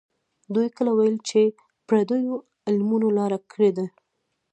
دوی کله ویل چې پردیو علمونو لاره کړې ده.